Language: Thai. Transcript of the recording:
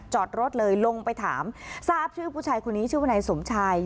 จอดรถเลยลงไปถามทราบชื่อผู้ชายคนนี้ชื่อวนายสมชาย